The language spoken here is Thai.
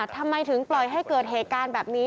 ทำไมถึงปล่อยให้เกิดเหตุการณ์แบบนี้